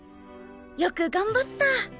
よく頑張った！